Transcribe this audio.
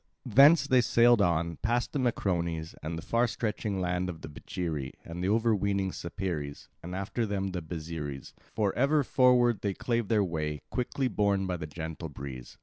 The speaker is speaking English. Thence they sailed on, past the Macrones and the far stretching land of the Becheiri and the overweening Sapeires, and after them the Byzeres; for ever forward they clave their way, quickly borne by the gentle breeze.